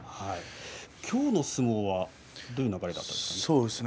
きょうの相撲はどういう流れだったんですか。